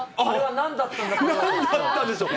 なんだったんでしょう。